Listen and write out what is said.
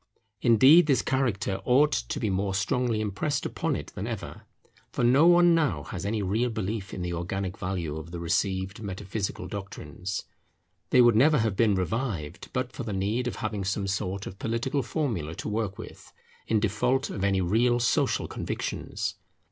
Indeed this character ought to be more strongly impressed upon it than ever. For no one now has any real belief in the organic value of the received metaphysical doctrines. They would never have been revived but for the need of having some sort of political formula to work with, in default of any real social convictions.